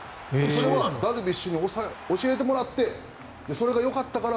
それはダルビッシュに教えてもらってそれがよかったから。